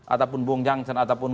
ataupun bung jansen ataupun